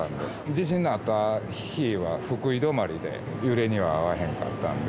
地震があった日は福井止まりで、揺れには遭わへんかったんで。